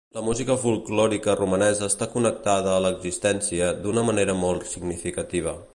La música folklòrica romanesa està connectada a l'existència d'una manera molt significativa.